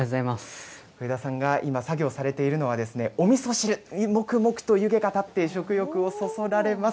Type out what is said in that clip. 上田さんが今、作業をされているのはおみそ汁、もくもくと湯気が立って食欲をそそられます。